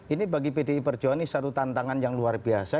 ini bagi pdi perjuangan ini satu tantangan yang luar biasa